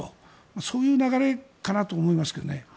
そういう流れかなと思いますけどね。